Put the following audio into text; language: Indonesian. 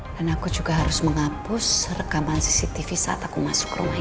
dan aku juga harus menghapus rekaman cctv saat aku masuk ke rumah ini